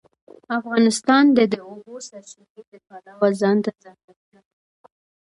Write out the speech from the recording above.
افغانستان د د اوبو سرچینې د پلوه ځانته ځانګړتیا لري.